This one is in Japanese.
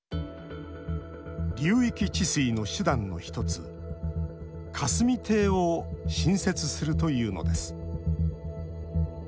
流域治水の手段の１つ「霞堤」を新設するというのです。